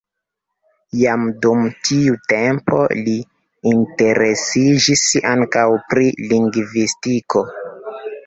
Jam dum tiu tempo li interesiĝis ankaŭ pri lingvistiko.